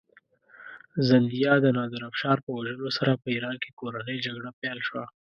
زندیه د نادرافشار په وژلو سره په ایران کې کورنۍ جګړه پیل شوه.